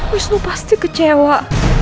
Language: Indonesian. wisnu pasti kecewa